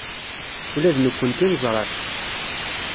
Ula d nekkenti neẓra-t.